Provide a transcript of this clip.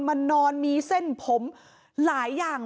หมาก็เห่าตลอดคืนเลยเหมือนมีผีจริง